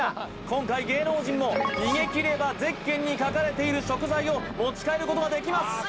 今回芸能人も逃げ切ればゼッケンに書かれている食材を持ち帰ることができます